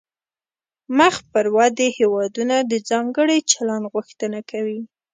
مخ پر ودې هیوادونه د ځانګړي چلند غوښتنه کوي